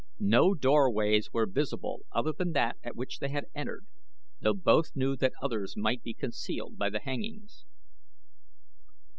No doorways were visible other than that at which they had entered, though both knew that others might be concealed by the hangings.